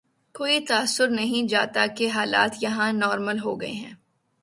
کوئی تاثر نہیں جاتا کہ حالات یہاں نارمل ہو گئے ہیں۔